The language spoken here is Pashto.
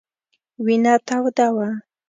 وینه توده وه.